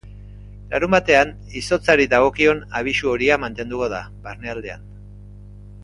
Larunbatean izotzari dagokion abisu horia mantenduko da barnealdean.